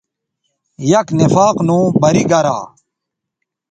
یک نفاق نو بری گرا